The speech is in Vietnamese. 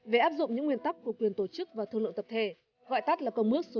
về áp dụng những nguyên tắc của quyền tổ chức và thương lượng tập thể gọi tắt là công ước số chín